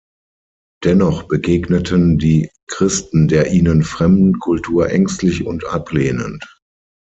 Dennoch begegneten die Christen der ihnen fremden Kultur ängstlich und ablehnend.